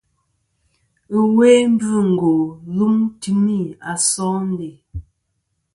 Ɨwe mbvɨngo lum timi a sondè.